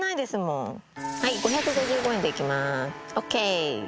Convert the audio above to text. はい５５５円で行きますＯＫ。